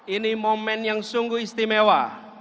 ini momen yang sungguh istimewa